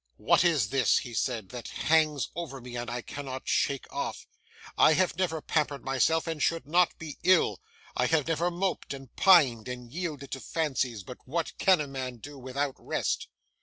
'What is this,' he said, 'that hangs over me, and I cannot shake off? I have never pampered myself, and should not be ill. I have never moped, and pined, and yielded to fancies; but what CAN a man do without rest?